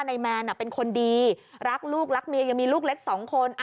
แมนเป็นคนดีรักลูกรักเมียยังมีลูกเล็กสองคน